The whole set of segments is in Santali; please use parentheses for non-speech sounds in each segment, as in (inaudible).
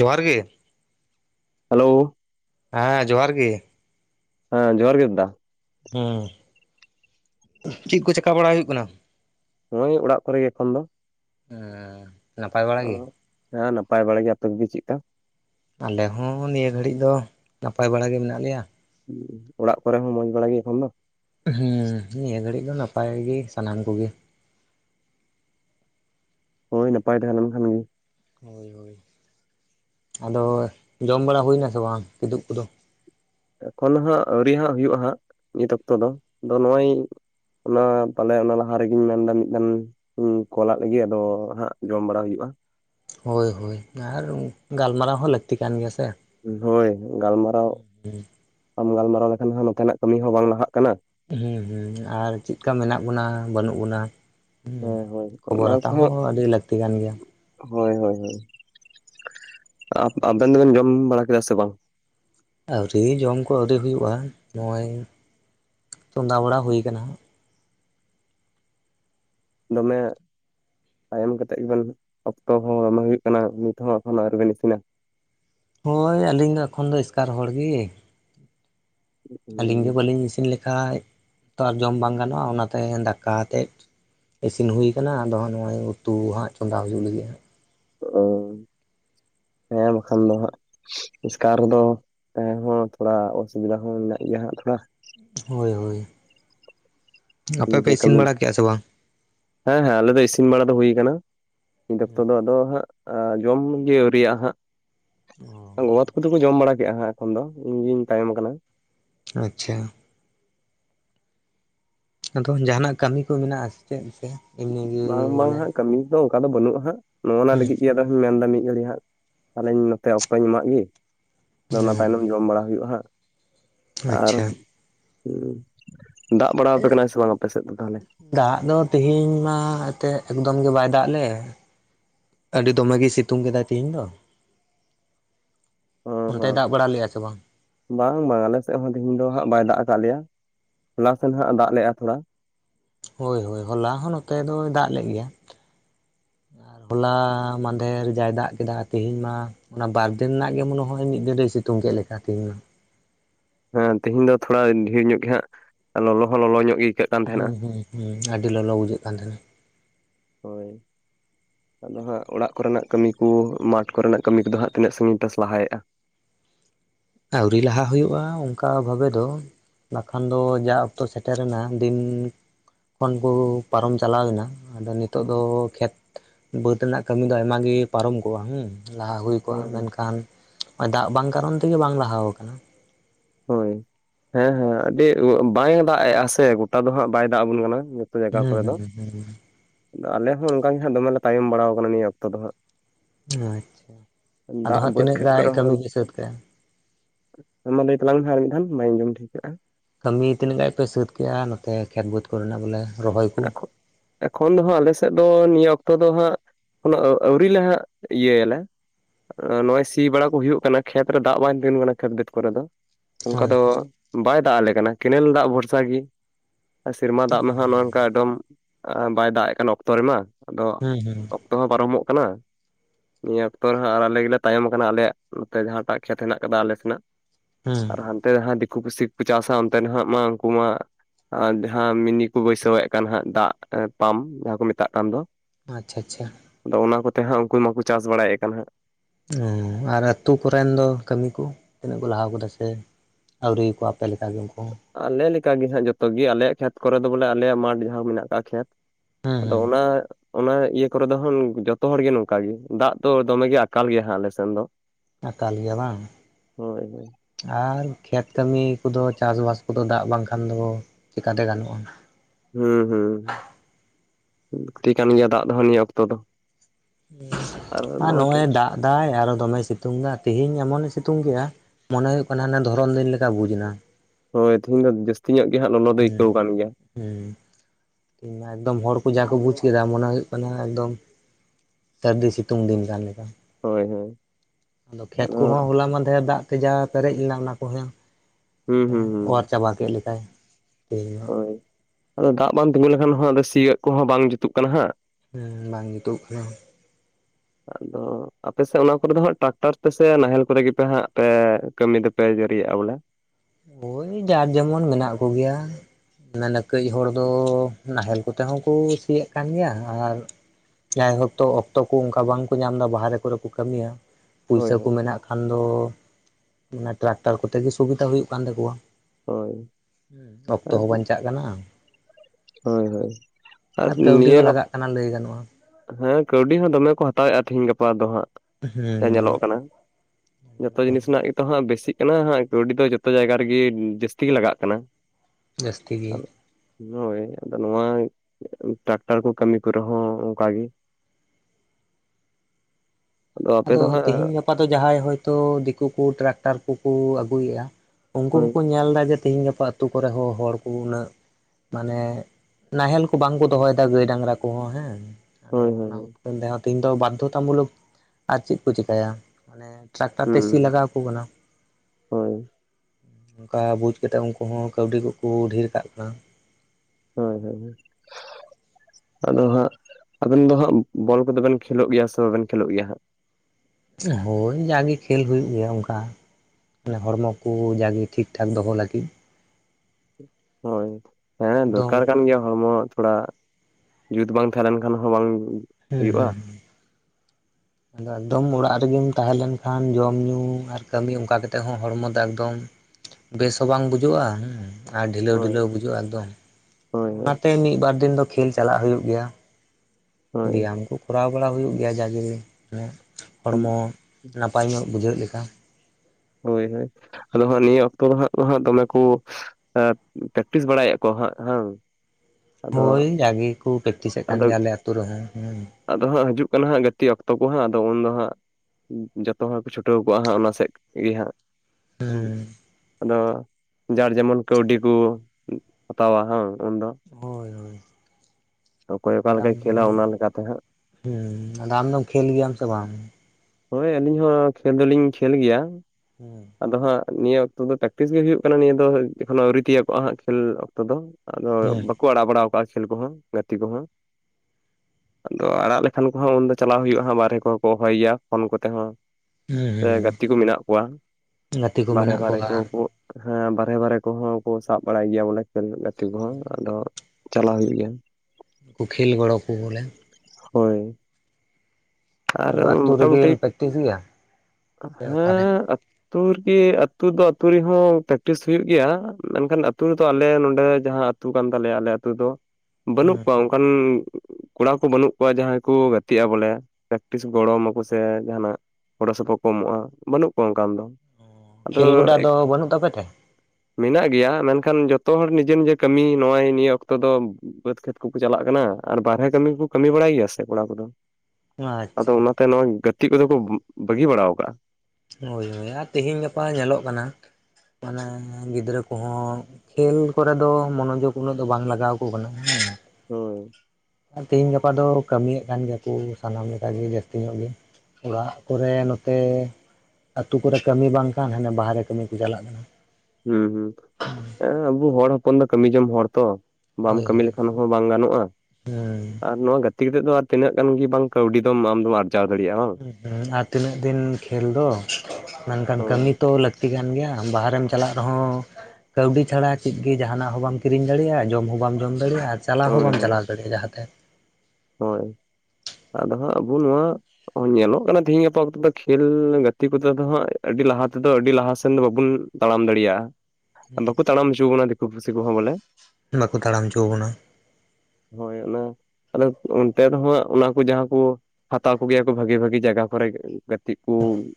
ᱡᱚᱦᱟᱨ ᱜᱮ, ᱦᱮᱞᱳ ᱦᱮᱸ ᱡᱚᱦᱟᱨ ᱜᱮ᱾ ᱦᱮᱸ ᱡᱚᱦᱟᱨ ᱜᱮ ᱫᱫᱟ᱾ ᱦᱩᱸ, ᱪᱮᱫ ᱠᱚ ᱪᱮᱠᱟ ᱵᱟᱲᱟᱭ ᱦᱩᱭᱩᱜ ᱠᱟᱱᱟ? ᱦᱚᱸᱜᱼᱚᱭ ᱚᱲᱟᱜ ᱠᱚᱨᱮ ᱜᱮ ᱮᱠᱷᱚᱱ ᱫᱚ᱾ ᱦᱩᱸ ᱱᱟᱯᱟᱭ ᱵᱟᱲᱟ ᱜᱮ? ᱦᱮᱸ ᱱᱟᱯᱟᱭ ᱵᱟᱲᱟ ᱜᱮ ᱟᱯᱮ ᱠᱚᱜᱮ ᱪᱮᱫᱠᱟ? ᱟᱞᱮ ᱦᱚᱸ ᱱᱤᱭᱟᱹ ᱜᱷᱟᱹᱲᱤᱡ ᱫᱚ ᱱᱟᱯᱟᱭ ᱵᱟᱲᱟ ᱜᱮ ᱢᱮᱱᱟᱜ ᱞᱮᱭᱟ᱾ ᱦᱩᱸ, ᱚᱲᱟᱜ ᱠᱚᱨᱮ ᱦᱚᱸ ᱢᱚᱸᱡᱽ ᱵᱟᱲᱟ ᱜᱮ ᱮᱠᱷᱚᱱ ᱫᱚ? ᱦᱩᱸ, ᱱᱤᱭᱟᱹ ᱜᱷᱟᱹᱲᱤᱡ ᱫᱚ ᱱᱟᱯᱟᱭ ᱜᱮ ᱥᱟᱱᱟᱢ ᱠᱚᱜᱮ᱾ ᱦᱳᱭ ᱱᱟᱯᱟᱭ ᱛᱟᱦᱮᱸ ᱞᱮᱱᱠᱷᱟᱱ ᱜᱮ᱾ ᱦᱳᱭ ᱦᱳᱭ, ᱟᱫᱚ ᱡᱚᱢ ᱵᱟᱲᱟ ᱦᱩᱭ ᱮᱱᱟ ᱥᱮ ᱵᱟᱝ ᱠᱤᱫᱩᱵ ᱠᱚᱫᱚ? ᱮᱠᱷᱚᱱ ᱫᱚ ᱦᱟᱸᱜ ᱟᱹᱣᱨᱤ ᱦᱟᱸᱜ ᱦᱩᱭᱩᱜᱼᱟ ᱦᱟᱸᱜ, ᱱᱤᱛ ᱚᱠᱛᱚ ᱫᱚ ᱟᱫᱚ ᱱᱚᱜ-ᱚᱭ ᱚᱱᱟ ᱯᱟᱞᱮ ᱚᱱᱟ ᱞᱟᱦᱟ ᱨᱮᱜᱤᱧ ᱢᱮᱱᱫᱟ ᱢᱤᱫ ᱫᱮᱱ ᱦᱩᱸ ᱠᱚᱞ-ᱟᱜ ᱞᱟᱹᱜᱤᱫ ᱟᱫᱚ ᱦᱟᱸᱜ ᱡᱚᱢ ᱵᱟᱲᱟ ᱦᱩᱭᱩᱜᱼᱟ᱾ ᱦᱳᱭ ᱦᱳᱭ ᱟᱨ ᱜᱟᱞᱢᱟᱨᱟᱣ ᱦᱚᱸ ᱞᱟᱹᱠᱛᱤ ᱠᱟᱱ ᱜᱮᱭᱟ ᱥᱮ᱾ ᱦᱳᱭ ᱜᱟᱞᱢᱟᱨᱟᱣ, ᱵᱟᱢ ᱜᱟᱞᱢᱟᱨᱟᱣ ᱞᱮᱠᱷᱟᱱ ᱦᱚᱸ ᱱᱚᱛᱮᱱᱟᱜ ᱠᱟᱹᱢᱤ ᱦᱚᱸ ᱵᱟᱝ ᱞᱟᱦᱟᱜ ᱠᱟᱱᱟ᱾ ᱦᱩᱸ ᱦᱩᱸ ᱟᱨ ᱪᱮᱫᱠᱟ ᱢᱮᱱᱟᱜ ᱵᱚᱱᱟ ᱵᱟᱹᱱᱩᱜ ᱵᱚᱱᱟ ᱦᱩᱸ, ᱦᱮᱸ ᱦᱳᱭ ᱠᱷᱚᱵᱚᱨ ᱚᱱᱟ ᱦᱟᱛᱟᱣ ᱠᱚᱦᱚᱸ ᱦᱚᱸ ᱟᱹᱰᱤ ᱞᱟᱹᱠᱛᱤ ᱠᱟᱱ ᱜᱮᱭᱟ᱾ ᱦᱳᱭ ᱦᱳᱭ ᱦᱳᱭ ᱟ ᱟᱵᱮᱱ ᱫᱚᱵᱮᱱ ᱡᱚᱢ ᱵᱟᱲᱟ ᱠᱮᱫᱟ ᱥᱮ ᱵᱟᱝ? ᱟᱹᱣᱨᱤ ᱡᱚᱢ ᱠᱚ ᱟᱹᱣᱨᱤ ᱦᱩᱭᱩᱜᱼᱟ ᱱᱚᱜᱼᱚᱭ ᱪᱚᱸᱫᱟ ᱵᱟᱲᱟ ᱦᱩᱭ ᱠᱟᱱᱟ ᱦᱟᱸᱜ᱾ ᱫᱚᱢᱮ ᱟᱭᱮᱢ ᱠᱟᱛᱮᱫ ᱜᱮᱵᱮᱱ, ᱚᱠᱛᱚ ᱦᱚᱸ ᱮᱢ ᱦᱩᱭᱩᱜ ᱠᱟᱱᱟ ᱱᱤᱛ ᱦᱚᱸ ᱮᱠᱷᱚᱱᱚ ᱟᱹᱣᱨᱤ ᱵᱮᱱ ᱤᱥᱤᱱᱟ᱾ ᱦᱳᱭ ᱟᱹᱞᱤᱧ ᱫᱚ ᱮᱠᱷᱚᱱ ᱫᱚ ᱮᱥᱠᱟᱨ ᱦᱚᱲ ᱜᱮ᱾ ᱟᱹᱞᱤᱧ ᱜᱮ ᱵᱟᱹᱞᱤᱧ ᱤᱥᱤᱱ ᱞᱮᱠᱷᱟᱡ ᱛᱚ ᱟᱨ ᱡᱚᱢ ᱵᱟᱝ ᱜᱟᱱᱚᱜᱼᱟ ᱚᱱᱟᱛᱮ ᱫᱟᱠᱟ ᱛᱮᱫ ᱤᱥᱤᱱ ᱦᱩᱭ ᱠᱟᱱᱟ, ᱟᱫᱚ ᱦᱟᱸᱜ ᱱᱚᱜᱼᱚᱭ ᱩᱛᱩ ᱦᱟᱸᱜ ᱪᱚᱸᱫᱟ ᱦᱤᱡᱩᱜ ᱞᱟᱹᱜᱤᱫ ᱦᱟᱸᱜ᱾ ᱚ, ᱦᱮᱸ ᱵᱟᱠᱷᱟᱱ ᱫᱚ ᱦᱟᱸᱜ᱾ ᱮᱥᱠᱟᱨ ᱨᱮᱫᱚ ᱛᱟᱦᱮᱸ ᱦᱚᱸ ᱛᱷᱚᱲᱟ ᱚᱥᱩᱵᱤᱫᱟ ᱦᱚᱸ ᱢᱮᱱᱟᱜ ᱜᱮᱭᱟ ᱦᱟᱸᱜ ᱛᱷᱚᱲᱟ᱾ ᱦᱳᱭ ᱦᱳᱭ᱾ ᱟᱯᱮ ᱯᱮ ᱱᱤᱡᱮ ᱤᱥᱤᱱ ᱠᱟᱹᱢᱤ, ᱵᱟᱲᱟ ᱠᱮᱜᱼᱟ ᱥᱮ ᱵᱟᱝ ᱦᱮᱸ ᱦᱮᱸ ᱟᱞᱮ ᱫᱚ ᱤᱥᱤᱱ ᱵᱟᱲᱟ ᱫᱚ ᱦᱩᱭᱩ ᱠᱟᱱᱟ᱾ ᱱᱤᱛ ᱚᱠᱛᱚ ᱫᱚ ᱟᱫᱚ ᱦᱟᱸᱜ ᱟ ᱡᱚᱢ ᱜᱮ ᱟᱹᱣᱨᱤᱭᱟᱜ-ᱟ ᱦᱟᱸᱜ᱾ ᱜᱚᱜᱚ (inaudible) ᱫᱚᱠᱚ ᱡᱚᱢ ᱵᱟᱲᱟ ᱠᱮ-ᱟ ᱦᱟᱸᱜ ᱮᱠᱷᱚᱱ ᱫᱚ ᱤᱧᱜᱤᱧ ᱛᱟᱭᱚᱢ ᱟᱠᱟᱱᱟ᱾ ᱟᱪᱪᱷᱟ᱾ ᱟᱫᱚ ᱡᱟᱦᱟᱱᱟᱜ ᱠᱟᱢᱤ ᱠᱚ ᱢᱮᱱᱟᱜᱼᱟ ᱥᱮ ᱪᱮᱫ ᱥᱮ? ᱮᱢᱱᱤ ᱜᱮ ᱵᱟᱝ -ᱵᱟᱝ ᱵᱚᱞᱮ ᱦᱟᱸᱜ ᱠᱟᱢᱤ ᱫᱚ ᱚᱱᱠᱟ ᱫᱚ ᱵᱟᱹᱱᱩᱜᱼᱟ ᱦᱟᱸᱜ ᱱᱚᱜᱱᱟ ᱦᱩᱸ ᱞᱟᱹᱜᱤᱫ ᱜᱮ ᱟᱫᱧ ᱢᱮᱱ ᱫᱟ ᱢᱤᱫ ᱜᱷᱟᱹᱲᱤᱡ ᱦᱟᱸᱜ ᱛᱟᱦᱞᱮᱧ ᱱᱚᱛᱮ ᱚᱠᱛᱚᱧ ᱮᱢᱟᱜ ᱜᱮ ᱾ ᱟᱫᱚ ᱚᱱᱟ ᱛᱟᱭᱱᱚᱢ ᱡᱚᱢ ᱵᱟᱲᱟ ᱦᱩᱭᱩᱜᱼᱟ ᱦᱟᱸᱜ ᱦᱩᱸ ᱟᱨ ᱟᱪᱪᱷᱟ ᱫᱟᱜ ᱵᱟᱲᱟᱯᱮ ᱠᱟᱱᱟ ᱥᱮ ᱵᱟᱝ ᱟᱯᱮ ᱥᱮᱫ ᱫᱚ ᱛᱟᱦᱚᱞᱮ? ᱫᱟᱜ ᱫᱚ ᱛᱹᱦᱮᱹᱧ ᱢᱟ ᱮᱛᱮᱜ ᱮᱠᱫᱚᱢ ᱜᱮ ᱵᱟᱭ ᱫᱟᱜ ᱞᱮᱜ ᱾ ᱟᱹᱰᱤ ᱫᱚᱢᱮ ᱜᱮᱭ ᱥᱤᱛᱳᱝ ᱠᱮᱫᱟᱭ ᱛᱮᱹᱦᱤᱧ ᱫᱚ ᱾ ᱯᱷᱟᱸᱠᱟ ᱜᱮᱭᱟ ᱾ ᱚᱱᱛᱮ ᱫᱟᱜ ᱵᱟᱲᱟ ᱞᱮᱜᱼᱟ ᱥᱮ ᱵᱟᱝ? ᱵᱟᱝ ᱵᱟᱝ ᱟᱞᱮ ᱥᱮᱜ ᱦᱚᱸ ᱛᱮᱹᱦᱮᱹᱧ ᱫᱚ ᱦᱟᱸᱜ ᱵᱟᱭ ᱫᱟᱜ ᱟᱠᱟᱜ ᱞᱮᱭᱟ ᱦᱚᱞᱟ ᱥᱮᱱ ᱦᱟᱸᱜ ᱫᱟᱜ ᱞᱮᱜᱼᱟ ᱛᱷᱳᱲᱟ ᱾ ᱦᱳᱭ -ᱦᱳᱭ ᱦᱚᱞᱟ ᱦᱚᱸ ᱱᱚᱛᱮ ᱫᱚᱭ ᱫᱟᱜ ᱞᱮᱜ ᱜᱮᱭᱟ ᱾ (inaudible) ᱯᱷᱟᱸᱠᱟ ᱜᱮᱭᱟ᱾ ᱦᱚᱞᱟ ᱢᱟᱫᱷᱮᱨ ᱡᱟᱭ ᱫᱟᱜ ᱠᱮᱫᱟ ᱛᱮᱹᱦᱮᱹᱧ ᱢᱟ ᱚᱱᱟ ᱵᱟᱨ ᱫᱤᱱ ᱨᱮᱱᱟᱜ ᱜᱮ ᱢᱚᱱᱮ ᱦᱚᱭ ᱢᱤᱫ ᱫᱤᱱ ᱨᱮᱭ ᱥᱤᱛᱳᱝ ᱠᱮᱜ ᱞᱮᱠᱟ ᱛᱮᱹᱦᱮᱹᱧ ᱢᱟ ᱾ ᱦᱮᱸ ᱛᱮᱹᱦᱮᱹᱧ ᱫᱚ ᱛᱷᱳᱲᱟ ᱰᱷᱮᱹᱨ ᱧᱚᱜ ᱜᱮ ᱦᱟᱸᱜ ᱞᱚᱞᱚ ᱦᱚᱸ ᱞᱚᱞᱚ ᱧᱚᱜ ᱜᱮ ᱟᱹᱭᱠᱟᱹᱜ ᱠᱟᱱ ᱛᱟᱦᱮᱸᱱᱟ ᱦᱩᱸ ᱦᱩᱸ ᱦᱩᱸ, ᱯ-ᱪᱟᱜ, ᱟᱹᱰᱤ ᱞᱚᱞᱚ ᱵᱩᱡᱷᱟᱹᱜ ᱠᱟᱱ ᱛᱟᱦᱮᱸᱱᱟ ᱾ ᱦᱳᱭ ᱾ ᱟᱫᱚ ᱦᱟᱸᱜ ᱚᱲᱟᱜ ᱠᱚᱨᱮᱱᱟᱜ ᱠᱟᱹᱢᱤ ᱠᱚ ᱢᱟᱴᱷ ᱠᱚᱨᱮᱱᱟᱜ ᱠᱟᱹᱢᱤ ᱠᱚᱫᱚ ᱦᱟᱸᱜ ᱛᱤᱱᱟᱹᱜ ᱥᱟᱺᱜᱤᱧ ᱯᱮ ᱞᱟᱦᱟᱭᱮᱜᱼᱟ? ᱟᱹᱣᱨᱤ ᱞᱟᱦᱟ ᱦᱭᱳᱜᱼᱟ ᱚᱱᱠᱟ ᱵᱷᱟᱵᱮ ᱫᱚ ᱾ ᱱᱟᱜ ᱠᱷᱟᱱ ᱫᱚ ᱡᱟ ᱚᱠᱛᱚ ᱥᱮᱴᱮᱨᱮᱱᱟ ᱫᱤᱱᱻ ᱠᱷᱚᱱ ᱠᱚ ᱯᱟᱨᱚᱢ ᱪᱟᱞᱟᱣ ᱮᱱᱟ ᱟᱫᱚ ᱱᱤᱛᱚᱜ ᱫᱚ ᱠᱷᱮᱛ ᱵᱟᱹᱫᱽ ᱨᱮᱱᱟᱜ ᱠᱟᱹᱢᱤ ᱫᱚ ᱟᱭᱢᱟ ᱜᱮ ᱯᱟᱨᱚᱢ ᱠᱚᱜᱼᱟ ᱦᱩᱸ ᱞᱟᱦᱟ ᱦᱩᱭ ᱠᱳᱣᱟᱜ ᱦᱳᱭ ᱢᱮᱱᱠᱷᱟᱱ, ᱯ-ᱪᱟᱜ, ᱫᱟᱜ ᱵᱟᱝ ᱠᱟᱨᱚᱱ ᱛᱮᱜᱮ ᱵᱟᱝ ᱞᱟᱦᱟ ᱟᱠᱟᱱᱟ ᱾ ᱦᱳᱭ, ᱦᱮᱸ -ᱦᱮᱸ, ᱟᱹᱰᱤ ᱵᱟᱸᱭ ᱮ ᱫᱟᱜ ᱮᱜᱼᱟ ᱥᱮ ᱜᱚᱴᱟ ᱫᱚ ᱦᱟᱸᱜ ᱵᱟᱭ ᱫᱟᱜ ᱟᱵᱚᱱ ᱠᱟᱱᱟ ᱾ ᱚᱠᱛᱚ ᱡᱟᱭᱜᱟ ᱦᱩᱸ ᱠᱚᱨᱮ ᱦᱩᱸ ᱫᱚ ᱦᱩᱸ ᱟᱞᱮ ᱦᱚᱸ ᱚᱱᱠᱟᱜᱮ ᱦᱟᱸᱜ ᱫᱚᱢᱮᱞᱮ ᱛᱟᱭᱚᱢ ᱵᱟᱲᱟᱣ ᱠᱟᱱᱟ ᱱᱤᱭᱟᱹ ᱚᱠᱛᱚ ᱫᱚ ᱦᱟᱸᱜ ᱾ ᱪᱷᱟᱭ, ᱟᱫᱚ ᱦᱟᱸᱜ ᱛᱤᱱᱟᱹᱜ ᱜᱟᱡ ᱠᱟᱹᱢᱤ ᱜᱮ ᱥᱟᱹᱛ ᱯᱮ? ᱦᱮᱸ ᱢᱟ ᱞᱟᱹᱭ ᱛᱟᱞᱟᱝ ᱢᱮ ᱦᱟᱸᱜ ᱟᱨ ᱢᱤᱫᱷᱟᱣ ᱵᱟᱹᱧ ᱟᱸᱡᱚᱢ ᱴᱷᱤᱠ ᱠᱟᱜ-ᱟ ᱾ ᱠᱟᱹᱢᱤ ᱛᱤᱱᱟᱹᱜ ᱜᱟᱡ ᱯᱮ ᱥᱟᱹᱛ ᱠᱮᱜᱼᱟ ᱱᱚᱛᱮ ᱠᱷᱮᱛ ᱵᱟᱹᱫᱽ ᱠᱚᱨᱮᱱᱟᱜ ᱵᱚᱞᱮ ᱨᱚᱦᱚᱭ ᱠᱩ? ᱮᱠᱷᱚᱱ ᱫᱚ ᱦᱟᱸᱜ ᱟᱞᱮᱥᱮᱫ ᱫᱚ ᱱᱤᱭᱟᱹ ᱚᱠᱛᱚ ᱫᱚ ᱦᱟᱸᱜ ᱩᱱᱟᱹᱜ ᱟᱹᱣᱨᱤ ᱞᱮ ᱤᱭᱟᱹ ᱟᱞᱮ ᱾ ᱱᱚᱜᱼᱚᱭ ᱥᱤ ᱵᱟᱲᱟ ᱠᱚ ᱦᱩᱭᱩᱜ ᱠᱟᱱᱟ ᱠᱷᱮᱛ ᱨᱮ ᱫᱟᱜ ᱵᱟᱭ ᱛᱤᱺᱜᱩᱱ ᱠᱟᱱᱟ ᱠᱷᱮᱛ ᱫᱮᱛ ᱠᱚᱨᱮ ᱫᱚ ᱾ ᱚᱱᱠᱟ ᱦᱳᱭ ᱫᱚ ᱵᱟᱭ ᱫᱟᱜ ᱟᱞᱮ ᱠᱟᱱᱟ ᱠᱮᱱᱮᱞ ᱫᱟᱜ ᱵᱷᱚᱨᱥᱟ ᱜᱤ ᱾ ᱥᱮᱨᱢᱟ ᱫᱟᱜ ᱢᱟ ᱦᱟᱸᱜ ᱱᱚᱜ ᱱᱚᱝᱠᱟ ᱮᱰᱚᱢ ᱵᱟᱭ ᱫᱟᱜ ᱮᱜ ᱠᱟᱱᱟ ᱚᱠᱛᱚ ᱨᱮᱢᱟ ᱟᱫᱚ ᱾ ᱦᱮᱸ- ᱦᱮᱸ ᱾ ᱚᱠᱛᱚ ᱦᱚᱸ ᱯᱟᱨᱚᱢᱚᱜ ᱠᱟᱱᱟ ᱾ ᱱᱤᱭᱟᱹ ᱚᱠᱛᱚ ᱨᱮ ᱦᱟᱸᱜ ᱟᱨ ᱟᱞᱮ ᱜᱮᱞᱮ ᱛᱟᱭᱚᱢ ᱠᱟᱱᱟ ᱟᱞᱮᱭᱟᱜ ᱱᱚᱛᱮ ᱡᱟᱦᱟᱸᱴᱟᱜ ᱠᱷᱮᱛ ᱦᱮᱱᱟᱜ ᱟᱠᱟᱫᱟ ᱟᱞᱮ ᱥᱮᱱᱟᱜ ᱦᱩᱸ ᱾ ᱟᱨ ᱦᱟᱱᱼ ᱼᱛᱮ ᱡᱟᱦᱟᱸ ᱫᱤᱠᱩ ᱯᱩᱥᱤ ᱠᱚᱠᱚ ᱪᱟᱥᱟ ᱚᱱᱛᱮ ᱦᱟᱸᱜ ᱢᱟ ᱩᱱᱠᱩ ᱢᱟ ᱟᱸ ᱡᱟᱦᱟᱸ ᱢᱤᱱᱤ ᱠᱚ ᱵᱟᱹᱭᱥᱟᱹᱣᱮᱫ ᱠᱷᱟᱱ ᱦᱟᱸᱜ ᱫᱟᱜ ᱯᱟᱢᱯ ᱡᱟᱦᱟᱸ ᱠᱚ ᱢᱮᱛᱟᱜ ᱠᱟᱱ ᱫᱚ ᱟᱪᱷᱟ ᱟᱪᱪᱷᱟ, ᱾ ᱟᱫᱚ ᱚᱱᱟ ᱠᱚᱛᱮ ᱦᱟᱸᱜ ᱩᱱᱠᱩ ᱢᱟᱠᱚ ᱪᱟᱥ ᱵᱟᱲᱟᱭᱮᱜ ᱠᱟᱱ ᱦᱟᱸᱜ ᱾ ᱦᱮᱸᱦ ᱟᱨ ᱟᱛᱩ ᱠᱚᱨᱮᱱ ᱫᱚ ᱠᱟᱹᱢᱤ ᱠᱚ ᱛᱤᱱᱟᱹᱜ ᱠᱚ ᱞᱟᱦᱟ ᱟᱠᱟᱫᱟ ᱥᱮ? ᱟᱹᱣᱨᱤᱭᱟᱠᱚᱣᱟ ᱟᱯᱮ ᱞᱮᱠᱟ ᱜᱮ ᱩᱱᱠᱩ ᱾ ᱟᱞᱮ ᱞᱮᱠᱟᱜᱮ ᱦᱟᱸᱜ ᱡᱚᱛᱚ ᱜᱮ ᱟᱞᱮᱭᱟᱜ ᱠᱷᱮᱛ ᱠᱚᱨᱮ ᱫᱚ ᱵᱚᱞᱮ ᱟᱞᱮ ᱢᱟᱴᱷ ᱡᱟᱦᱟᱸ ᱢᱮᱱᱟᱜ ᱠᱟᱜ ᱠᱷᱮᱛ ᱦᱩᱸ ᱟᱫᱚ ᱦᱩᱸ ᱚᱱᱟᱜ ᱚᱱᱟ ᱤᱭᱟᱹ ᱠᱚᱨᱮ ᱫᱚ ᱡᱚᱛᱚ ᱦᱚᱲᱜ ᱜᱮ ᱱᱚᱝᱠᱟ ᱜᱮ ᱫᱟᱜ ᱫᱚ ᱫᱚᱢᱮ ᱜᱮ ᱟᱠᱟᱞ ᱜᱮᱭᱟ ᱦᱟᱸᱜ ᱟᱞᱮ ᱥᱮᱱ ᱫᱚ᱾ ᱟᱠᱟᱞ ᱜᱮᱭᱟ ᱵᱟᱝ? ᱦᱳᱭ ᱦᱳᱭ ᱟᱨ ᱠᱷᱮᱛ ᱠᱟᱹᱢᱤ ᱠᱚᱫᱚ ᱪᱟᱥᱵᱟᱥ ᱠᱚᱫᱚ ᱫᱟᱜ ᱵᱟᱝᱠᱷᱟᱱ ᱫᱚ ᱪᱮᱠᱟᱛᱮ ᱜᱟᱱᱚᱜᱼᱟ᱾ ᱦᱩᱸ ᱦᱩᱸ ᱞᱟᱹᱠᱛᱤ ᱠᱟᱱ ᱜᱮᱭᱟ ᱫᱟᱜ ᱫᱚ ᱦᱟᱸᱜ ᱱᱤᱭᱟᱹ ᱚᱠᱛᱚ ᱫᱚ ᱾ ᱟᱨ ᱱᱚᱜᱼᱚᱭ ᱫᱟᱜ ᱫᱟᱭ ᱟᱨᱚ ᱫᱚᱢᱮ ᱥᱤᱛᱩᱝ ᱮᱫᱟ ᱛᱤᱦᱤᱧ ᱮᱢᱚᱱᱮ ᱥᱤᱛᱩᱝ ᱠᱮᱫᱟ ᱢᱚᱱᱮ ᱦᱩᱭᱩᱜ ᱠᱟᱱᱟ ᱦᱟᱱᱮ ᱫᱷᱚᱨᱚᱱ ᱫᱤᱱ ᱞᱮᱠᱟ ᱵᱩᱡᱽ ᱮᱱᱟ ᱾ ᱦᱳᱭ ᱛᱮᱦᱮᱧ ᱫᱚ ᱡᱟᱹᱥᱛᱤ ᱧᱚᱜ ᱜᱮ ᱦᱟᱸᱜ ᱞᱚᱞᱚ ᱫᱚ ᱟᱹᱭᱠᱟᱹᱣ ᱠᱟᱱ ᱜᱮᱭᱟ ᱾ ᱦᱮᱸ ᱮᱠᱫᱚᱢ ᱦᱚᱲ ᱠᱚ ᱡᱟᱠᱚ ᱵᱩᱡᱽ ᱠᱮᱫᱟ ᱢᱚᱱᱮ ᱦᱩᱭᱩᱜ ᱠᱟᱱᱟ ᱮᱠᱫᱚᱢ ᱥᱟᱹᱨᱫᱤ ᱥᱤᱛᱩᱝ ᱫᱤᱱ ᱠᱟᱱ ᱞᱮᱠᱟ ᱾ ᱦᱳᱭ ᱦᱳᱭ᱾ ᱟᱫᱚ ᱠᱷᱮᱛ ᱠᱚᱦᱚᱸ ᱦᱚᱞᱟ ᱢᱟᱫᱷᱮᱨ ᱫᱟᱜ ᱛᱮ ᱡᱟ ᱯᱮᱨᱮᱡ ᱞᱮᱱᱟ ᱚᱱᱟ ᱠᱚᱦᱚᱸ ᱦᱮᱸ ᱦᱩᱸ ᱦᱩᱸ ᱦᱩᱸ ᱚᱣᱟᱨ ᱪᱟᱵᱟ ᱠᱮᱫ ᱞᱮᱠᱟᱭ ᱫᱚ ᱦᱳᱭ ᱟᱫᱚ ᱫᱟᱜ ᱵᱟᱢ ᱛᱤᱸᱜᱩ ᱞᱮᱠᱷᱟᱱ ᱦᱚᱸ ᱟᱫᱚ ᱥᱤᱭᱚᱜ ᱠᱚᱦᱚᱸ ᱵᱟᱝ ᱡᱩᱛᱩᱜ ᱠᱟᱱᱟ ᱦᱟᱸᱜ ᱾ ᱦᱮᱸ ᱵᱟᱝ ᱡᱩᱛᱩᱜ ᱠᱟᱱᱟ᱾ ᱟᱫᱚ ᱟᱯᱮ ᱥᱮᱫ ᱚᱱᱟ ᱠᱚᱨᱮ ᱫᱚ ᱦᱟᱸᱜ ᱴᱟᱠᱴᱟᱨ ᱛᱮᱥᱮ ᱱᱟᱦᱮᱞ ᱠᱚᱨᱮ ᱜᱮᱯᱮ ᱦᱜ ᱯᱮ ᱠᱟᱹᱢᱤ ᱫᱚᱯᱮ ᱡᱟᱹᱨᱤᱭᱟᱜᱼᱟ ᱵᱚᱞᱮ? ᱳᱭ ᱡᱟᱨ ᱡᱮᱢᱚᱱ ᱢᱮᱱᱟᱜ ᱠᱚᱜᱮᱭᱟ᱾ ᱢᱮᱱᱮ ᱠᱟᱹᱡ ᱦᱚᱲ ᱫᱚ ᱱᱟᱦᱮᱞ ᱠᱚᱛᱮ ᱦᱚᱸᱠᱚ ᱥᱤᱭᱮᱫ ᱠᱟᱱ ᱜᱮᱭᱟ ᱟᱨ ᱡᱟᱭ (unintelligible) ᱚᱠᱛᱚ ᱠᱚ ᱚᱱᱠᱟ ᱵᱟᱝᱠᱚ ᱧᱟᱢ ᱮᱟ ᱵᱟᱦᱨᱮ ᱠᱚᱨᱮ ᱠᱚ ᱠᱟᱹᱢᱤᱭᱟ᱾ ᱦᱳᱭ ᱯᱩᱭᱥᱟᱹ ᱠᱚ ᱦᱳᱭ ᱢᱮᱱᱟᱜ ᱠᱷᱟᱱ ᱫᱚ ᱴᱨᱟᱠᱴᱟᱨ ᱠᱚᱛᱮ ᱜᱮ ᱥᱩᱵᱤᱫᱟ ᱦᱩᱭᱩᱜ ᱠᱟᱱ ᱛᱟᱠᱚᱣᱟ᱾ ᱚᱠᱛᱚ ᱦᱚᱸ ᱦᱳᱭ ᱵᱟᱧᱪᱟᱜ ᱠᱟᱱᱟ᱾ ᱦᱳᱭ ᱦᱳᱭ ᱟᱨ ᱠᱟᱹᱣᱰᱤ ᱱᱤᱭᱟᱹ ᱦᱚᱸ ᱞᱟᱜᱟᱜ ᱠᱟᱱᱟ ᱞᱟᱹᱭ ᱜᱟᱱᱚᱜᱼᱟ ᱦᱮᱸ ᱠᱟᱹᱣᱰᱤ ᱦᱚᱸ ᱫᱚᱢᱮ ᱠᱚ ᱦᱟᱛᱟᱣᱮᱫᱼᱟ ᱛᱤᱦᱤᱧ ᱜᱟᱯᱟ ᱫᱚ ᱦᱟᱸᱜ᱾ ᱡᱟ ᱧᱮᱞᱚᱜ ᱦᱩᱸᱻ ᱠᱟᱱᱟ ᱡᱚᱛᱚ ᱡᱤᱱᱤᱥ ᱨᱮᱱᱟᱜ ᱜᱮᱛᱚ ᱦᱟᱸᱜ ᱵᱮᱥᱤ ᱠᱟᱱᱟ ᱦᱟᱜ ᱠᱟᱹᱣᱰᱤ ᱫᱚ ᱡᱚᱛᱚ ᱡᱟᱭᱜᱟ ᱨᱮᱜᱮ ᱡᱟᱹᱥᱛᱤ ᱜᱮ ᱞᱟᱜᱟᱜ ᱠᱟᱱᱟ᱾ ᱡᱟᱹᱥᱛᱤ ᱜᱮ ᱟᱫᱚ ᱦᱳᱭ ᱟᱫᱚ ᱱᱚᱣᱟ ᱴᱨᱟᱠᱴᱟᱨ ᱠᱚ ᱠᱟᱹᱢᱤ ᱠᱚᱨᱮᱦᱚᱸ ᱚᱱᱠᱟ ᱜᱮ᱾ (inaudible) ᱟᱫᱚ ᱫᱚ ᱦᱟᱸᱜ ᱛᱮᱦᱤᱧ ᱜᱟᱯᱟ ᱫᱚ ᱡᱟᱦᱟᱭ ᱦᱚᱭᱛᱳ ᱫᱤᱠᱩ ᱠᱚ ᱴᱨᱟᱠᱴᱟᱨ ᱠᱚᱠᱚ ᱟᱹᱜᱩᱭᱮᱜᱼᱟ᱾ ᱩᱱᱠᱩ ᱦᱳᱭ ᱦᱩᱠᱚ ᱧᱮᱞᱫᱟ ᱡᱮ ᱛᱤᱦᱤᱧ ᱜᱟᱯᱟ ᱟᱹᱛᱩᱳ ᱠᱚᱨᱮ ᱦᱚᱸ ᱦᱚᱲ ᱠᱚ ᱩᱱᱟᱹᱜ ᱢᱟᱱᱮ ᱱᱟᱦᱮᱞ ᱠᱚ ᱵᱟᱝ ᱠᱚ ᱫᱚᱦᱚᱭ ᱫᱟ ᱜᱟᱹᱭ ᱰᱟᱝᱨᱟ ᱠᱚᱦᱚᱸ ᱦᱮᱸ᱾ ᱟᱫᱚ ᱦᱳᱭ ᱦᱳᱭ ᱚᱱᱟ ᱛᱮᱦᱤᱧ ᱫᱚ ᱵᱟᱫᱽᱫᱷᱚᱛᱟ ᱢᱩᱞᱚᱠ ᱟᱨ ᱪᱮᱫ ᱠᱚ ᱪᱮᱠᱟᱭᱟ ᱢᱟᱱᱮ ᱴᱨᱟᱠᱴᱟᱨ ᱛᱮ ᱦᱩᱸ ᱥᱤ ᱞᱟᱜᱟᱣ ᱠᱩ ᱠᱟᱱᱟ᱾ ᱦᱳᱭ ᱱᱚᱝᱠᱟ ᱵᱩᱡᱽ ᱠᱟᱛᱮᱜ ᱩᱱᱠᱩ ᱦᱚᱸ ᱠᱟᱹᱣᱰᱤ ᱠᱚᱠᱚ ᱰᱷᱮᱨ ᱠᱟᱜ ᱠᱟᱱᱟ᱾ ᱦᱳᱭ, ᱦᱳᱭ, ᱦᱳᱭ᱾ ᱟᱫᱚ ᱦᱟᱸᱜ ᱟᱵᱮᱱ ᱫᱚ ᱦᱟᱸᱜ ᱵᱚᱞ ᱠᱚᱫᱚ ᱵᱮᱱ ᱠᱷᱮᱞᱳᱜ ᱜᱮᱭᱟ ᱥᱮ ᱵᱟᱵᱮᱱ ᱠᱷᱮᱞᱳᱜ ᱜᱮᱭᱟ ᱦᱟᱸᱜ? ᱦᱳᱭ ᱡᱟᱜᱮ ᱠᱷᱮᱞ ᱦᱩᱭᱩᱜ ᱜᱮᱭᱟ ᱚᱱᱠᱟ ᱢᱟᱱᱮ ᱦᱚᱲᱢᱚ ᱠᱚ ᱡᱟᱜᱮ ᱴᱷᱤᱠ ᱴᱷᱟᱠ ᱫᱚᱦᱚ ᱞᱟᱹᱜᱤᱫ᱾ ᱦᱳᱭ ᱦᱮᱸ ᱮᱠᱫᱚᱢ ᱫᱚᱨᱠᱟᱨ ᱠᱟᱱ ᱜᱮᱭᱟ ᱦᱚᱲᱢᱚ ᱛᱷᱚᱲᱟ ᱡᱩᱛ ᱵᱟᱝ ᱛᱟᱦᱮᱸ ᱞᱮᱱᱠᱷᱟᱱ ᱦᱚᱸ ᱵᱟᱝ ᱦᱩᱸ, ᱦᱩᱸ, ᱦᱩᱭᱩᱜᱼᱟ ᱦᱩᱸ᱾ ᱟᱫᱚ ᱮᱠᱫᱚᱢ ᱚᱲᱟᱜ ᱨᱮᱜᱮᱢ ᱛᱟᱦᱮᱸ ᱞᱮᱱᱠᱷᱟᱱ ᱡᱚᱢ ᱧᱩ ᱟᱨ ᱠᱟᱹᱢᱤ ᱚᱱᱠᱟ ᱠᱟᱛᱮᱫ ᱦᱚᱸ ᱦᱚᱲᱢᱚ ᱫᱚ ᱮᱠᱫᱚᱢ ᱵᱮᱥ ᱦᱚᱸ ᱵᱟᱝ ᱵᱩᱡᱟᱹᱜᱼᱟ ᱦᱩᱸ ᱟᱨ ᱰᱷᱤᱞᱟᱹᱣ ᱦᱳᱭ ᱰᱷᱤᱞᱟᱹᱣ ᱵᱩᱡᱩᱜᱼᱟ ᱮᱠᱫᱚᱢ ᱦᱳᱭ ᱚᱱᱟᱛᱮ ᱢᱤᱫ ᱵᱟᱨ ᱫᱤᱱ ᱫᱚ ᱠᱷᱮᱞ ᱪᱟᱞᱟᱜ ᱦᱩᱭᱩᱜ ᱜᱮᱭᱟ ᱦᱳᱭ ᱵᱮᱭᱟᱢ ᱠᱚ ᱠᱚᱨᱟᱣ ᱵᱟᱲᱟ ᱦᱩᱭᱩᱜ ᱜᱮᱭᱟ ᱡᱟᱜᱮ ᱢᱟᱱᱮᱼᱼ ᱦᱚᱲᱢᱚ ᱱᱟᱯᱟᱭ ᱧᱚᱜ ᱵᱩᱡᱷᱟᱹᱜ ᱞᱮᱠᱟ᱾ ᱦᱳᱭ ᱦᱳᱭ ᱟᱫᱚ ᱦᱟᱸᱜ ᱱᱤᱭᱟᱹ ᱚᱠᱛᱚ ᱫᱚ ᱦᱟᱸᱜ ᱢᱟᱦᱟᱸ ᱫᱚᱢᱮ ᱠᱚᱼᱼ ᱯᱮᱠᱴᱤᱥ ᱵᱟᱲᱟᱭᱮᱫ ᱠᱚ ᱦᱟᱸᱜ ᱦᱩᱸ᱾ ᱦᱳᱭ ᱵᱟᱜᱮᱠᱚ ᱯᱮᱠᱴᱤᱥᱮᱫ ᱠᱟᱱ ᱟᱫᱚ ᱜᱮᱭᱟ ᱟᱞᱮ ᱟᱛᱩ ᱨᱮᱦᱚᱸ ᱦᱩᱸ᱾ ᱟᱫᱚ ᱦᱟᱸᱜ ᱦᱤᱡᱩᱜ ᱠᱟᱱᱟ ᱦᱟᱸᱜ ᱜᱟᱛᱮᱜ ᱚᱠᱛᱚ ᱠᱚ ᱦᱟᱸᱜ ᱟᱫᱚ ᱩᱱᱫᱚ ᱦᱟᱸᱜᱼᱼ ᱡᱚᱛᱚ ᱦᱚᱲ ᱠᱚ ᱪᱷᱩᱴᱟᱹᱣ ᱠᱚᱜᱼᱟ ᱦᱟᱸᱜ ᱚᱱᱟ ᱥᱮᱫ ᱜᱮ ᱦᱟᱸᱜ ᱦᱩᱸ᱾ ᱟᱫᱚ ᱡᱟᱨ ᱡᱮᱢᱚᱱ ᱠᱟᱹᱣᱰᱤ ᱠᱚ ᱦᱟᱛᱟᱣᱟ ᱦᱩᱸ ᱩᱱᱫᱚ᱾ ᱦᱳᱭ ᱦᱳᱭ ᱚᱠᱚᱭ ᱚᱠᱟ ᱟᱫᱚ ᱟᱢᱼᱼ ᱞᱮᱠᱟᱭ ᱠᱷᱮᱞᱟ ᱚᱱᱟ ᱞᱮᱠᱟᱛᱮ ᱦᱟᱸᱜ ᱦᱩᱸ ᱟᱫᱚ ᱟᱢ ᱫᱚᱢ ᱠᱷᱮᱞ ᱜᱮᱭᱟᱢ ᱥᱮ ᱵᱟᱝ? ᱦᱳᱭ ᱟᱹᱞᱤᱧ ᱦᱚᱸ ᱠᱷᱮᱞ ᱫᱚᱞᱤᱧ ᱠᱷᱮᱞ ᱜᱮᱭᱟ᱾ ᱦᱩᱸ᱾ ᱟᱫᱚ ᱦᱟᱸᱜ ᱱᱤᱭᱟᱹ ᱚᱠᱛᱚ ᱫᱚ ᱯᱨᱮᱠᱴᱤᱥ ᱜᱮ ᱦᱩᱭᱩᱜ ᱠᱟᱱᱟ᱾ᱱᱤᱭᱟᱹ ᱫᱚ ᱮᱠᱷᱚᱱᱚ ᱟᱹᱣᱨᱤ ᱛᱤᱭᱳᱜ ᱠᱚᱜᱼᱟ ᱦᱟᱸᱜ ᱠᱷᱮᱞ ᱚᱠᱛᱚ ᱫᱚ᱾ ᱟᱫᱚ ᱦᱩᱸ ᱵᱟᱠᱚ ᱟᱲᱟᱜ ᱵᱟᱲᱟᱣ ᱠᱟᱜᱼᱟ ᱠᱷᱮᱞ ᱠᱚᱦᱚᱸ ᱜᱟᱛᱮ ᱠᱚᱦᱚᱸ᱾ ᱟᱫᱚ ᱟᱲᱟᱜ ᱞᱮᱠᱷᱟᱱ ᱠᱚ ᱦᱟᱸᱜ ᱩᱱ ᱫᱚ ᱪᱟᱞᱟᱣ ᱦᱩᱭᱩᱜᱼᱟ ᱵᱟᱨᱦᱮ ᱠᱚᱦᱚᱸ ᱠᱚ ᱦᱚᱦᱚᱭ ᱜᱮᱭᱟ ᱯᱷᱳᱱ ᱠᱚᱛᱮ ᱦᱚᱸ᱾ ᱦᱩᱸ ᱥᱮ ᱜᱟᱛᱮ ᱦᱩᱸ ᱠᱚ ᱢᱮᱱᱟᱜ ᱠᱚᱣᱟ ᱜᱟᱛᱮ ᱠᱚ ᱵᱟᱦᱨᱮ ᱢᱮᱱᱟᱜ ᱵᱟᱦᱨᱮ ᱠᱚᱣᱟ ᱠᱚ ᱠᱚ᱾ ᱦᱮᱸ ᱵᱟᱨᱦᱮ ᱵᱟᱨᱨᱮ ᱠᱚᱦᱚᱸ ᱠᱚ ᱥᱟᱵ ᱵᱟᱲᱟᱭ ᱜᱮᱭᱟ ᱵᱚᱞᱮ ᱠᱷᱮᱞ ᱜᱟᱛᱮ ᱠᱚᱦᱚᱸ ᱟᱫᱚᱼᱼ ᱪᱟᱞᱟᱣ ᱦᱩᱭᱩᱜ ᱜᱮᱭᱟ᱾ ᱠᱷᱮᱞ ᱜᱚᱲᱚ ᱠᱚ ᱵᱚᱞᱮ᱾ ᱦᱳᱭ᱾ ᱟᱨ ᱟᱫᱚ ᱟᱹᱛᱩ ᱢᱚᱴᱟᱢᱩᱴᱤ ᱨᱮᱜᱮᱢ ᱯᱨᱮᱠᱴᱤᱥ ᱜᱮᱭᱟ ᱥᱮ ᱚᱠᱟᱨᱮ? ᱦᱮᱸ᱾ ᱟᱹᱛᱩ ᱨᱮᱜᱮ ᱟᱹᱛᱩ ᱫᱚ ᱟᱹᱛᱩ ᱨᱮᱦᱚᱸ ᱯᱨᱮᱠᱴᱤᱥ ᱦᱩᱭᱩᱜ ᱜᱮᱭᱟ ᱢᱮᱱᱠᱷᱟᱱ ᱟᱹᱛᱩ ᱨᱮᱫᱚ ᱟᱞᱮ ᱱᱚᱰᱮ ᱡᱟᱦᱟᱸᱼᱼ ᱟᱹᱛᱩ ᱠᱟᱱ ᱛᱟᱞᱮᱭᱟ ᱟᱞᱮ ᱟᱹᱛᱩ ᱫᱚ᱾ ᱵᱟᱹᱱᱩᱜ ᱦᱩᱸ ᱠᱚᱣᱟ ᱚᱱᱠᱟᱱ ᱠᱚᱲᱟᱠᱩ ᱵᱟᱹᱱᱩᱜ ᱠᱚᱣᱟ ᱡᱟᱦᱟᱸᱭ ᱠᱚ ᱜᱟᱛᱮᱜᱼᱟ ᱵᱚᱞᱮ᱾ ᱯᱨᱮᱠᱴᱤᱥ ᱜᱚᱲᱚᱢ ᱟᱢᱟᱠᱚ ᱥᱮ ᱡᱟᱦᱟᱱᱟᱜ ᱜᱚᱲᱚ ᱥᱚᱯᱚᱦᱚᱫ ᱠᱚ ᱮᱢᱚᱜᱼᱟ ᱵᱟᱹᱱᱩᱜ ᱠᱚᱣᱟ ᱚᱱᱠᱟᱱ ᱫᱚ᱾ ᱟᱫᱚ ᱠᱷᱮᱞ ᱜᱚᱰᱟ ᱫᱚ ᱵᱟᱹᱱᱩᱜ ᱛᱟᱯᱮ ᱛᱮ? ᱢᱮᱱᱟᱜ ᱜᱮᱭᱟ ᱢᱮᱱᱠᱷᱟᱱ ᱡᱚᱛᱚ ᱦᱚᱲ ᱱᱤᱡᱮ ᱱᱤᱡᱮ ᱠᱟᱹᱢᱤ ᱱᱚᱜᱼᱚᱭ ᱱᱤᱭᱟᱹ ᱚᱠᱛᱚ ᱫᱚᱼᱼ ᱵᱟᱹᱫᱽ ᱠᱷᱮᱛ ᱠᱚᱠᱚ ᱪᱟᱞᱟᱜ ᱠᱟᱱᱟ ᱟᱨ ᱵᱟᱨᱦᱮ ᱠᱟᱹᱢᱤ ᱠᱩ ᱠᱟᱹᱢᱤ ᱵᱟᱲᱟᱭ ᱜᱮᱭᱟ ᱥᱮ ᱠᱚᱲᱟ ᱠᱚᱫᱚ᱾ ᱟᱫᱚ ᱟᱪᱪᱷᱟ ᱚᱱᱟᱛᱮ ᱱᱚᱣᱟ ᱜᱟᱛᱮᱜ ᱠᱚᱫᱚ ᱠᱚ ᱵᱟᱹᱜᱤ ᱵᱟᱲᱟ ᱟᱠᱟᱜ-ᱟ᱾ ᱦᱳᱭ ᱦᱳᱭ ᱟᱨ ᱛᱮᱦᱮᱧ ᱜᱟᱯᱟ ᱧᱮᱞᱚᱜ ᱠᱟᱱᱟ ᱢᱟᱱᱮ ᱜᱤᱫᱽᱨᱟᱹ ᱠᱚᱦᱚᱸᱼᱼ ᱠᱷᱮᱞ ᱠᱚᱨᱮ ᱫᱚ ᱢᱚᱱᱚᱡᱳᱜᱽ ᱩᱱᱟᱹᱜ ᱫᱚ ᱵᱟᱝ ᱞᱟᱜᱟᱣ ᱟᱠᱚ ᱠᱟᱱᱟ᱾ ᱦᱳᱭ᱾ ᱛᱮᱦᱮᱧ ᱜᱟᱯᱟ ᱫᱚ ᱠᱟᱹᱢᱤᱭᱮᱫ ᱠᱟᱱ ᱜᱮᱭᱟ ᱠᱚ ᱥᱟᱱᱟᱢ ᱞᱮᱠᱟ ᱜᱮ ᱡᱟᱹᱥᱛᱤ ᱧᱚᱜ ᱜᱮ᱾ ᱚᱲᱟᱜ ᱠᱚᱨᱮ ᱱᱚᱛᱮᱼᱼ ᱟᱹᱛᱳ ᱠᱚᱨᱮ ᱠᱟᱹᱢᱤ ᱵᱟᱝᱠᱷᱟᱱ ᱦᱟᱱᱮ ᱵᱟᱦᱨᱮ ᱠᱟᱹᱢᱤ ᱠᱚ ᱪᱟᱞᱟᱜ ᱠᱟᱱᱟ᱾ ᱦᱩᱸ ᱦᱩᱸ ᱟᱵᱚ ᱦᱚᱲ ᱦᱚᱯᱚᱱ ᱫᱚ ᱠᱟᱹᱢᱤ ᱡᱚᱢ ᱦᱚᱲ ᱛᱚ᱾ ᱵᱟᱢ ᱦᱳᱭ ᱠᱟᱹᱢᱤ ᱦᱳᱭ ᱞᱮᱠᱷᱟᱱ ᱦᱚᱸ ᱵᱟᱝ ᱜᱟᱱᱚᱜᱼᱟ ᱦᱩᱸ ᱟᱨ ᱱᱚᱣᱟ ᱜᱟᱼᱼ ᱛᱮ ᱟᱛᱮᱫ ᱫᱚ ᱟᱨ ᱛᱤᱱᱟᱹᱜ ᱜᱟᱱ ᱜᱮ ᱵᱟᱝ ᱠᱟᱹᱣᱰᱤ ᱫᱚᱢ᱾ (unintelligible) ᱪᱟᱥ ᱫᱟᱲᱮᱭᱟᱜᱼᱟ ᱟᱢ? ᱦᱩᱸ ᱦᱩᱸ ᱟᱨ ᱛᱤᱱᱟᱹᱜ ᱫᱤᱱ ᱠᱷᱮᱞ ᱫᱚ ᱢᱮᱱᱠᱷᱟᱱ ᱦᱳᱭ ᱠᱟᱹᱢᱤ ᱛᱚ ᱞᱟᱹᱠᱼᱼ ᱛᱤ ᱠᱟᱱ ᱜᱮᱭᱟ ᱵᱟᱦᱮᱢ ᱪᱟᱞᱟᱜ ᱨᱮᱦᱚᱸᱼᱼ ᱠᱟᱹᱣᱰᱤ ᱪᱷᱟᱲᱟ ᱪᱮᱫ ᱜᱮ ᱡᱟᱦᱟᱱᱟᱜ ᱦᱚᱸ ᱵᱟᱢ ᱠᱤᱨᱤᱧ ᱫᱟᱲᱮᱭᱟᱜᱼᱟ ᱡᱚᱢ ᱦᱚᱸ ᱵᱟᱢ ᱡᱚᱢ ᱫᱟᱲᱮᱭᱟᱜᱼᱟ᱾ ᱪᱟᱞᱟᱣ ᱦᱚᱸ ᱦᱳᱭ ᱵᱟᱢ ᱦᱳᱭ ᱪᱟᱞᱟᱣ ᱫᱟᱲᱮᱭᱟᱜᱼᱟ ᱡᱟᱦᱟᱸ ᱛᱮ᱾ ᱦᱳᱭ ᱟᱫᱚ ᱦᱟᱸᱜ ᱟᱵᱚ ᱱᱚᱣᱟᱼᱼ ᱧᱮᱞᱚᱜ ᱠᱟᱱᱟ ᱛᱤᱦᱤᱧ ᱜᱟᱯᱟ ᱚᱠᱛᱚ ᱫᱚ ᱠᱷᱮᱞ ᱜᱟᱛᱮ ᱠᱚᱫᱚ ᱟᱫᱚ ᱦᱟᱸᱜ ᱟᱹᱰᱤ ᱞᱟᱦᱟ ᱛᱮᱫᱚ ᱟᱹᱰᱤ ᱞᱟᱦᱟ ᱥᱮᱱ ᱫᱚ ᱵᱟᱵᱚᱱᱼᱼ ᱛᱟᱲᱟᱢ ᱫᱟᱲᱮᱭᱟᱜ-ᱟ ᱾ (inaudible) ᱵᱟᱠᱚ ᱛᱟᱲᱟᱢ ᱦᱚᱪᱚ ᱵᱚᱱᱟ ᱫᱤᱠᱩ ᱯᱩᱥᱤ ᱠᱚᱦᱚᱸ ᱵᱚᱞᱮ ᱾ ᱵᱟᱠᱚ ᱛᱟᱲᱟᱢ ᱚᱪᱚ ᱟᱵᱚᱱᱟ ᱾ ᱦᱳᱭ ᱚᱱᱟ ᱟᱫᱚ ᱚᱱᱛᱮ ᱫᱚ ᱦᱟᱸᱜ ᱚᱱᱟᱠᱩ ᱡᱟᱦᱟᱸᱠᱩ ᱦᱟᱛᱟᱣ ᱠᱚᱜᱮᱭᱟ ᱠᱚ ᱵᱷᱟᱹᱜᱤ ᱵᱷᱟᱹᱜᱤ ᱡᱟᱭᱜᱟ ᱠᱚᱨᱮ ᱾ ᱩᱱᱠᱩ ᱠᱚ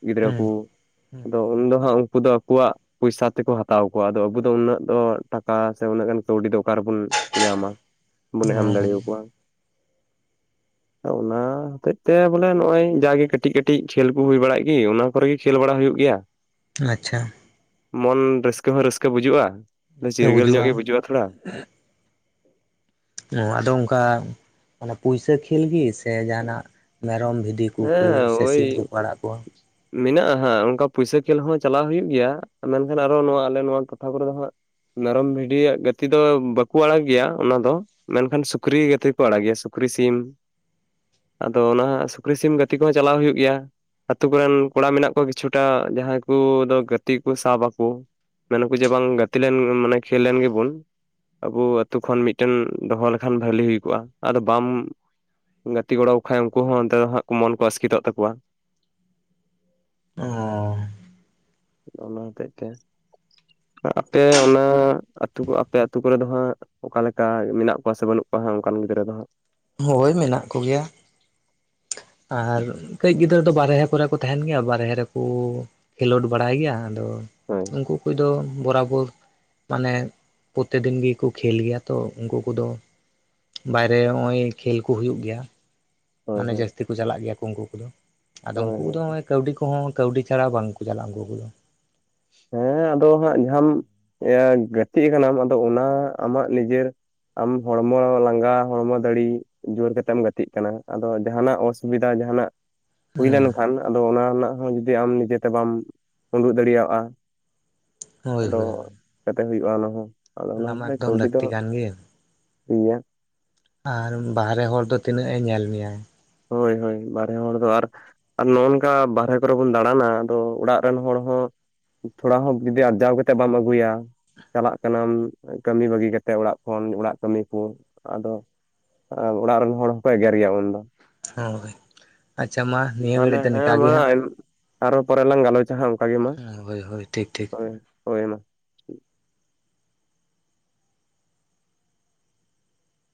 ᱜᱤᱫᱽᱨᱟᱹ ᱠᱩ ᱦᱩᱸ ᱾ (inaudible) ᱦᱩᱸ ᱟᱫᱚ ᱩᱱ ᱫᱚ ᱦᱟᱸᱜ ᱩᱱᱠᱩ ᱫᱚ ᱟᱠᱣᱟᱜ ᱯᱩᱭᱥᱟ ᱛᱮᱠᱚ ᱦᱟᱛᱟᱣ ᱠᱚᱣᱟ ᱾ ᱟᱫᱚ ᱟᱵᱚ ᱫᱚ ᱩᱱᱟᱹᱜ ᱫᱚ ᱴᱟᱠᱟ ᱥᱮ ᱩᱱᱟᱹᱜ ᱜᱟᱱ ᱠᱟᱹᱣᱰᱤ ᱫᱚ ᱚᱠᱟ ᱨᱮᱵᱚᱱ ᱧᱟᱢᱟ (inaudible) ᱵᱚᱱ ᱚ ᱮᱢ ᱫᱟᱲᱮ ᱟᱠᱚᱣᱟ ᱾ ᱚᱱᱟ ᱦᱚᱛᱮᱜ ᱛᱮ ᱵᱚᱞᱮ ᱱᱚᱜ-ᱚᱭ ᱡᱟᱜᱮ ᱠᱟᱹᱴᱤᱡ ᱠᱟᱹᱴᱤᱡ ᱠᱷᱮᱞ ᱠᱚ ᱦᱩᱭ ᱵᱟᱲᱟᱜ ᱜᱮ ᱚᱱᱟ ᱠᱚᱨᱮ ᱜᱮ ᱠᱷᱮᱞ ᱵᱟᱲᱟ ᱦᱩᱭᱩᱜ ᱜᱮᱭᱟ ᱾ (inaudible) ᱟᱪᱪᱷᱟ ᱾ (inaudible) ᱢᱚᱱ ᱨᱟᱹᱥᱠᱟᱹ ᱦᱚᱸ ᱨᱟᱹᱥᱠᱟᱹ ᱵᱩᱡᱩᱜ-ᱟ (inaudible) ᱨᱟᱹᱥᱠᱟᱹ ᱪᱤᱨᱜᱟᱹᱞ ᱧᱚᱜ ᱵᱩᱡᱩᱜᱼᱟ ᱜᱮ ᱵᱩᱡᱩᱜ-ᱟ ᱛᱷᱚᱲᱟ ᱾ ᱱᱚᱣᱟ ᱫᱚ ᱚᱱᱠᱟ ᱚᱱᱟ ᱯᱩᱭᱥᱟᱹ ᱠᱷᱮᱞ ᱜᱮ ᱥᱮ ᱡᱟᱦᱟᱱᱟᱜ ᱢᱮᱨᱚᱢ ᱵᱷᱤ ᱰᱤ ᱠᱩᱠᱩ ᱥᱮ ᱥᱤᱢ ᱠᱚᱠᱚ ᱟᱲᱟᱜ ᱠᱚᱣᱟ? ᱢᱮᱱᱟᱜ-ᱟ ᱦᱟᱸᱜ ᱚᱱᱠᱟ ᱯᱩᱭᱥᱟᱹ ᱠᱷᱮᱞ ᱦᱚᱸ ᱪᱟᱞᱟᱣ ᱦᱩᱭᱩᱜ ᱜᱮᱭᱟ, ᱢᱮᱱᱠᱷᱟᱱ ᱟᱨᱚ ᱱᱚᱣᱟ ᱟᱞᱮ ᱱᱚᱣᱟ ᱴᱚᱴᱷᱟ ᱠᱚᱨᱮ ᱫᱚ ᱦᱟᱸᱜ ᱢᱮᱨᱚᱢ ᱵᱷᱤᱰᱤᱭᱟᱜ ᱜᱟᱹᱛᱤ ᱫᱚ ᱵᱟᱠᱚ ᱟᱲᱟᱜ ᱜᱮᱭᱟ ᱚᱱᱟ ᱫᱚ ᱾ ᱢᱮᱱᱠᱷᱟᱱ ᱥᱩᱠᱨᱤ ᱜᱟᱹᱛᱤ ᱠᱚ ᱟᱲᱟᱜ ᱜᱮᱭᱟ ᱥᱩᱠᱨᱤ ᱥᱤᱢ (inaudible) ᱟᱫᱚ ᱚᱱᱟ ᱦᱟᱜ ᱥᱩᱠᱨᱤ ᱥᱤᱢ ᱜᱟᱹᱛᱤ ᱠᱚᱦᱚᱸ ᱪᱟᱞᱟᱣ ᱦᱩᱭᱩᱜ ᱜᱮᱭᱟ ᱾ ᱟᱛᱩ ᱠᱚᱨᱮᱱ ᱠᱚᱲᱟ ᱢᱮᱱᱟᱜ ᱠᱚᱣᱟ ᱠᱤᱪᱷᱩᱴᱟᱜ ᱡᱟᱦᱟᱸᱭ ᱠᱚ ᱫᱚ ᱜᱟᱹᱛᱤ ᱠᱩ ᱥᱟᱣ ᱵᱟᱠᱚ ᱢᱮᱱ ᱟᱠᱚ ᱡᱮ ᱵᱟᱝ ᱜᱟᱛᱤ ᱞᱮᱱ ᱢᱟᱱᱮ ᱠᱷᱮᱞ ᱞᱮᱱ ᱜᱮᱵᱚᱱ ᱾ ᱟᱵᱚ ᱟᱛᱹᱩ ᱠᱷᱚᱱ ᱢᱤᱫᱴᱮᱱ ᱫᱚᱦᱚ ᱞᱮᱠᱷᱟᱱ ᱵᱷᱟᱞᱤ ᱦᱩᱭ ᱠᱚᱜ-ᱟ ᱾ ᱟᱫᱚ ᱵᱟᱢ ᱜᱟᱛᱤ ᱜᱚᱲᱚ ᱟᱠᱚ ᱠᱷᱟᱱ ᱩᱱᱠᱩ ᱦᱚᱸ ᱚᱱᱛᱮ ᱫᱚ ᱦᱟᱸᱜ ᱢᱚᱱ ᱠᱚ ᱟᱥᱠᱮᱛᱚᱜ ᱛᱟᱠᱚᱣᱟ ᱾ (inaudible) ᱚᱸᱻ ᱚᱱᱟ ᱦᱚᱛᱮᱜ ᱛᱮ ᱟᱯᱮ ᱚᱱᱟ ᱟᱹᱛᱩ ᱠᱚ ᱟᱯᱮ ᱟᱹᱛᱩ ᱠᱚᱨᱮ ᱫᱚ ᱦᱟᱸᱜ ᱚᱠᱟ ᱞᱮᱠᱟ ᱢᱮᱱᱟᱜ ᱠᱚᱣᱟ ᱥᱮ ᱵᱟᱹᱱᱩᱜ ᱠᱚᱣᱟ ᱦᱟᱸᱜ ᱚᱱᱠᱟᱱ ᱜᱤᱫᱽᱨᱟᱹ ᱫᱚ ᱦᱟᱸᱜ ᱾ ᱦᱳᱭ ᱢᱮᱱᱟᱜ ᱠᱚ ᱜᱮᱭᱟ ᱾ ᱟᱨ ᱠᱟᱹᱡ ᱜᱤᱫᱽᱨᱟᱹ ᱫᱚ ᱵᱟᱨᱦᱮ ᱠᱚᱨᱮ ᱠᱚ ᱛᱟᱦᱮᱱ ᱜᱮᱭᱟ, ᱵᱟᱨᱦᱮ ᱨᱮᱠᱚ ᱠᱷᱮᱞᱳᱰ ᱵᱟᱲᱟᱭ ᱜᱮᱭᱟ ᱾ ᱟᱫᱚ ᱦᱳᱭ ᱩᱱᱠᱩ ᱠᱚᱫᱚ ᱵᱚᱨᱟᱵᱚᱨ ᱢᱟᱱᱮ ᱯᱨᱚᱛᱛᱮᱠ ᱫᱤᱱ ᱜᱮᱠᱚ ᱠᱷᱮᱞ ᱜᱮᱭᱟ ᱛᱚ ᱩᱱᱠᱩ ᱠᱚᱫᱚ ᱵᱟᱭᱨᱮ ᱱᱚᱜ-ᱚᱭ ᱠᱷᱮᱞ ᱠᱩ ᱦᱩᱭᱩᱜ ᱜᱮᱭᱟ ᱾ ᱦᱳᱭ ᱢᱟᱱᱮ ᱦᱳᱭ ᱡᱟᱹᱥᱛᱤ ᱠᱚ ᱪᱟᱞᱟᱜ ᱜᱮᱭᱟ ᱠᱚ ᱩᱱᱠᱩ ᱠᱚᱫᱚ ᱾ (inaudible) ᱟᱫᱚ ᱦᱳᱭ ᱩᱱᱠᱩ ᱦᱳᱭ ᱠᱚᱫᱚ ᱱᱚᱸᱜ-ᱚᱭ ᱠᱟᱹᱣᱰᱤ ᱠᱚᱦᱚᱸ ᱠᱟᱹᱣᱰᱤ ᱪᱷᱟᱲᱟ ᱵᱟᱝᱠᱚ ᱪᱟᱞᱟᱜ-ᱟ ᱩᱱᱠᱩ ᱠᱚᱫᱚ ᱾ ᱦᱮᱸ ᱟᱫᱚ ᱦᱟᱸᱜ ᱡᱟᱦᱟᱢ ᱜᱟᱛᱮᱜ ᱠᱟᱱᱟᱢ ᱟᱫᱚ ᱚᱱᱟ ᱟᱢᱟᱜ ᱱᱤᱡᱮᱨ ᱟᱢ ᱦᱚᱲᱢᱚ ᱞᱟᱸᱜᱟ ᱦᱚᱲᱢᱚ ᱫᱟᱲᱤ ᱡᱳᱨ ᱠᱟᱛᱮᱢ ᱜᱟᱛᱮᱜ ᱠᱟᱱᱟ ᱾ ᱟᱫᱚ ᱡᱟᱦᱟᱱᱟᱜ ᱚᱥᱩᱵᱤᱫᱷᱟ ᱡᱟᱦᱟᱱᱟᱜ ᱦᱩᱭ ᱦᱮᱸ ᱞᱮᱱᱠᱷᱟᱱ, ᱟᱫᱚ ᱚᱱᱟ ᱨᱮᱱᱟᱜ ᱦᱚᱸ ᱡᱩᱫᱤ ᱟᱢ ᱱᱤᱡᱮᱛᱮ ᱵᱟᱢ (inaudible) ᱩᱰᱩᱜ ᱫᱟᱲᱮᱭᱟᱜ-ᱟ ᱦᱳᱭ ᱟᱫᱚ ᱦᱳᱭ ᱪᱤᱠᱟᱛᱮ ᱦᱩᱭᱩᱜ-ᱟ ᱚᱱᱟ ᱦᱚᱸ ᱾ ᱟᱫᱚ ᱚᱱᱟ ᱢᱟ (unintelligible) ᱮᱠᱫᱚᱢ ᱠᱟᱹᱣᱰᱤ ᱫᱚ ᱞᱟᱹᱠᱛᱤ ᱠᱟᱱ ᱜᱮ (inaudible) ᱜᱮᱭᱟ ᱾ ᱟᱨ ᱵᱟᱦᱨᱮ ᱦᱚᱲ ᱫᱚ ᱛᱤᱱᱟᱹᱜ ᱮ ᱧᱮᱞ ᱢᱮᱭᱟᱭ ᱾ ᱦᱳᱭ ᱦᱳᱭ ᱵᱟᱨᱦᱮ ᱦᱚᱲ ᱫᱚ ᱟᱨ ᱟᱨ ᱱᱚᱜ-ᱚ ᱱᱚᱝᱠᱟ ᱵᱟᱦᱨᱮ ᱠᱚᱨᱮ ᱵᱚᱱ ᱫᱟᱬᱟᱱᱟ ᱟᱫᱚ ᱚᱲᱟᱜ ᱨᱮᱱ ᱦᱚᱲ ᱦᱚᱸ ᱛᱷᱚᱲᱟ ᱦᱚᱸ ᱡᱩᱫᱤ ᱟᱨᱡᱟᱣ ᱠᱟᱛᱮᱫ ᱵᱟᱢ ᱟᱹᱜᱩᱭᱟ ᱪᱟᱞᱟᱜ ᱠᱟᱱᱟᱢ ᱠᱟᱹᱢᱤ ᱵᱟᱹᱜᱤ ᱠᱟᱛᱮᱫ ᱚᱲᱟᱜ ᱠᱷᱚᱱ ᱚᱲᱟᱜ ᱠᱟᱹᱢᱤ ᱠᱚ, ᱟᱫᱚ ᱟᱨ ᱚᱲᱟᱜ ᱨᱮᱱ ᱦᱚᱲ ᱦᱚᱸᱠᱚ ᱮᱜᱮᱨ ᱜᱮᱭᱟ ᱩᱱᱫᱚ ᱾ ᱦᱳᱭ ᱾ (inaudible) ᱟᱪᱪᱷᱟ ᱢᱟ ᱱᱤᱭᱟᱹ ᱛᱟᱦᱚᱞᱮ ᱜᱷᱟᱹᱲᱤᱡ ᱫᱚ ᱦᱮᱸ ᱱᱤᱝᱠᱟ ᱜᱮ ᱢᱟ ᱦᱟᱸᱜ ᱾ ᱟᱨᱚ ᱯᱚᱨᱮ ᱞᱟᱝ ᱜᱟᱞᱚᱪᱟ ᱦᱟᱸᱜ ᱚᱱᱠᱟ ᱜᱮ ᱢᱟ ᱦᱟᱸᱜ ᱦᱳᱭ ᱦᱳᱭ ᱾ ᱴᱷᱤᱠ ᱴᱷᱤᱠ (inaudible) ᱦᱳᱭ ᱦᱳᱭ ᱢᱟ ᱾